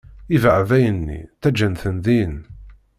Ibeεbayen-nni, ttaǧǧant-ten din.